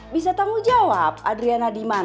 bisa tanggul jawab adriana dimana